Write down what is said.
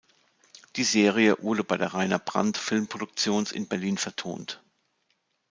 Die Serie wurde bei der Rainer Brandt Filmproduktions in Berlin vertont.